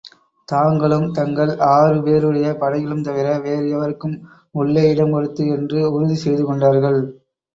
தாங்களும் தங்கள் ஆறு பேருடைய படைகளும் தவிர வேறு எவருக்கும் உள்ளே இடங்கொடுத்து என்று உறுதி செய்து கொண்டார்கள்.